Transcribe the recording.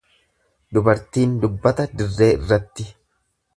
Dubartiin dubbata dirree irratti.